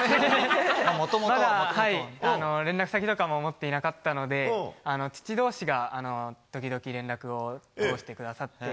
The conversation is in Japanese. まだ連絡先とかも持っていなかったので父同士が時々連絡をとってくださって。